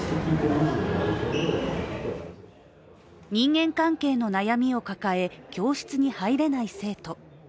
人間関係の悩みを抱え教室に入れない生徒。